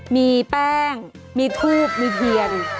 มีแป้งมีทูบมีเทียน